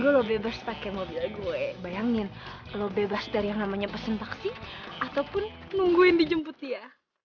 lu bebas pake mobil gue bayangin lu bebas dari yang namanya pesen vaksin ataupun nungguin dijemput ya